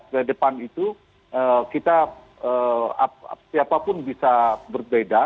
ke depan itu kita siapapun bisa berbeda